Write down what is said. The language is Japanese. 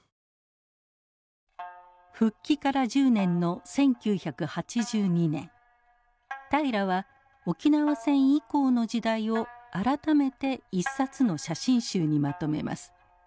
復帰から１０年の１９８２年平良は沖縄戦以降の時代を改めて一冊の写真集にまとめます。